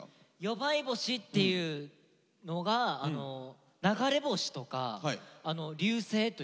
「夜星」っていうのが流れ星とか流星という。